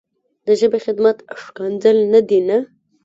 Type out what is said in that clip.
د ژبې خدمت ښکنځل نه دي نه.